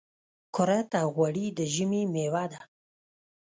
کورت او غوړي د ژمي مېوه ده .